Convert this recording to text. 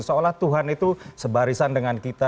seolah tuhan itu sebarisan dengan kita